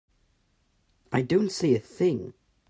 I don't see a thing.